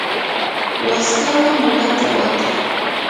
waskawan mulata watay.